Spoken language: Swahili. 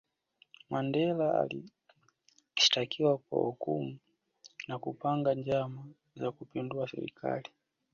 mandela alishitakiwa kwa hujuma na kupanga njama za kupindua serikali